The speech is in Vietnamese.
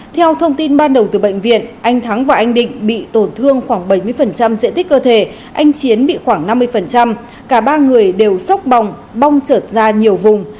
theo thông tin ban đầu từ bệnh viện anh thắng và anh định bị tổn thương khoảng bảy mươi diện tích cơ thể anh chiến bị khoảng năm mươi cả ba người đều sốc bòng bong trợt ra nhiều vùng